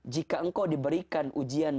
jika engkau diberikan ujian